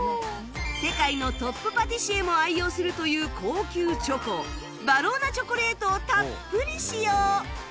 世界のトップパティシエも愛用するという高級チョコヴァローナチョコレートをたっぷり使用